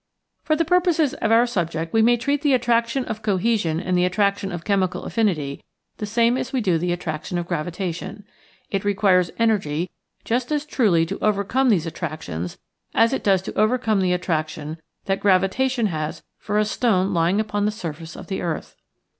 For the purposes of our subject we may treat the attraction of cohesion and the attraction of chemical affinity the same as we do the attraction of gravitation. It requires energy just as truly to overcome these attractions as it does to overcome the attraction that Original from UNIVERSITY OF WISCONSIN Cbe forced of nature. 29 gravitation has for a stone lying upon the surface of the earth.